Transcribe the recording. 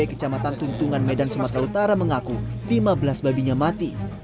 kecamatan tuntungan medan sumatera utara mengaku lima belas babinya mati